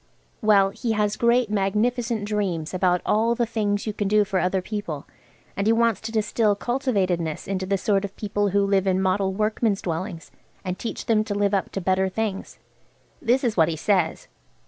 Well, he has great magnificent dreams about all the things you can do for other people, and he wants to distill cultivatedness into the sort of people who live in Model Workmen's Dwellings, and teach them to live up to better things. This is what he says.